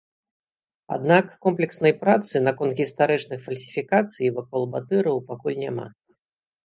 Аднак комплекснай працы наконт гістарычных фальсіфікацый вакол батыраў пакуль няма.